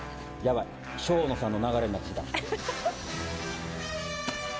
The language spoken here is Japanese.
生野さんの流れになってきた。